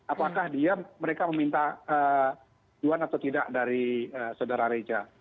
apakah dia mereka meminta juan atau tidak dari saudara reja